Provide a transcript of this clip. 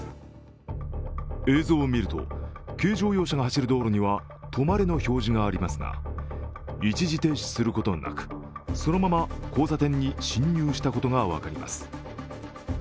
映像を見ると軽乗用車が走る道路には「止まれ」の標示がありますが、一時停止することなくそのまま交差点に進入したことが分かります。